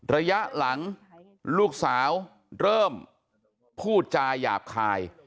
ระยะหลังลูกสาวเริ่มพูดจาหยาบคาย